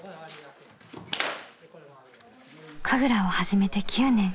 神楽を始めて９年。